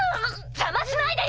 邪魔しないでよ！